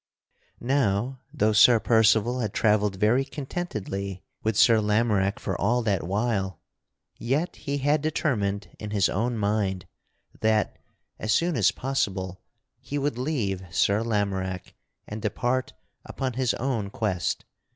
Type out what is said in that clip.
Now though Sir Percival had travelled very contentedly with Sir Lamorack for all that while, yet he had determined in his own mind that, as soon as possible, he would leave Sir Lamorack and depart upon his own quest.